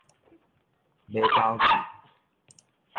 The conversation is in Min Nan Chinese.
馬狗琴